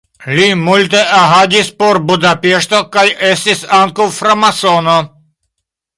Li multe agadis por Budapeŝto kaj estis ankaŭ framasono.